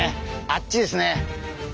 あっちですね。